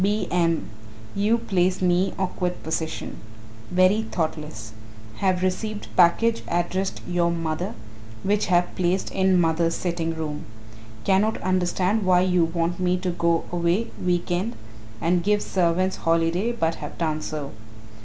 B. M. You place me awkward position. Very thoughtless. Have received package addressed your mother which have placed in mother's sitting room. Cannot understand why you want me to go away week end and give servants holiday but have done so.